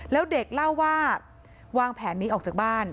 แล้วเด็กเล่าว่าวางแผนนี้ออกจากบ้าน